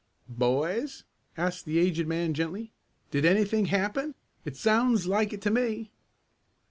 "Boys," asked the aged man gently. "Did anything happen? It sounds like it to me."